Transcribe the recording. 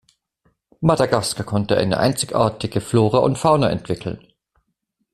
Madagaskar konnte eine einzigartige Flora und Fauna entwickeln.